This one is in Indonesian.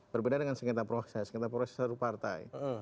berbeda dengan sengitaproses sengitaproses satu partai